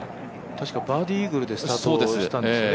確かバーディーイーグルでスタートでしたね。